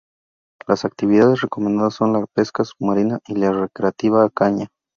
Las actividades recomendadas son la pesca submarina y la recreativa a caña.